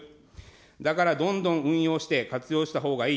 だからどんどん運用して活用したほうがいい。